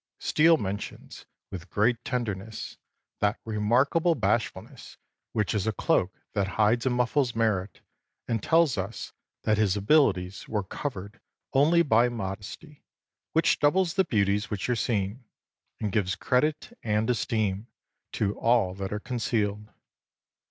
Steele mentions, with great tenderness, 'that remarkable bashfulness, which is a cloak that hides and muffles merit;' and tells us 'that his abilities were covered only by modesty, which doubles the beauties which are seen, and gives credit and esteem to all that are concealed.